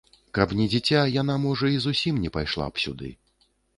Каб не дзіця, яна, можа, і зусім не пайшла б сюды.